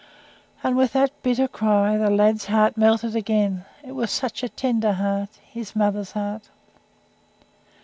And in that bitter cry the lad's heart melted again; it was such a tender heart his mother's heart.